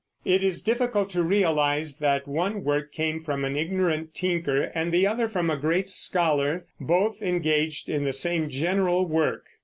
It is difficult to realize that one work came from an ignorant tinker and the other from a great scholar, both engaged in the same general work.